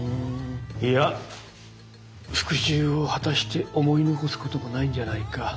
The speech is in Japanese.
いや復讐を果たして思い残すこともないんじゃないか。